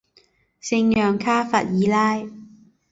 圣让卡弗尔拉。